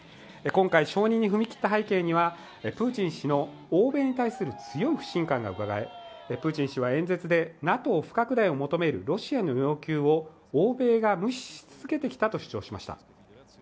今回承認に踏み切った背景にはプーチン氏の欧米に対する強い不信感がうかがえ、プーチン氏は演説でＮＡＴＯ不拡大を求めるロシアの要求を、欧米が無視し続けてきたと主張しました。